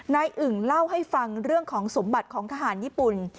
อึ่งเล่าให้ฟังเรื่องของสมบัติของทหารญี่ปุ่น